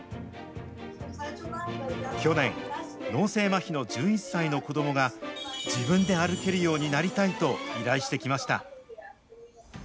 去年、脳性まひの１１歳の子どもが、自分で歩けるようになりたいと、依頼してきました。